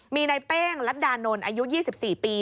มีในเป้งลัดดานนท์อายุ๒๔ปี